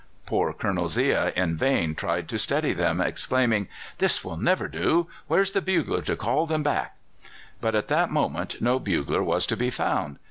"Poor Colonel Zea in vain tried to steady them, exclaiming: 'This will never do! Where's the bugler to call them back?' "But at that moment no bugler was to be found.